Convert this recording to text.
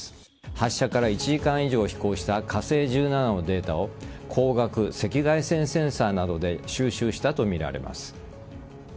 発射から１時間以上飛行した火星１７のデータを光学・赤外線センサーなどで収集したとみられます。